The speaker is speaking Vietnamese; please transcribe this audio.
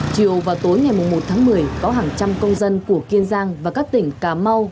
chiều vào tối ngày một tháng một mươi có hàng trăm công dân của kiên giang và các tỉnh cà mau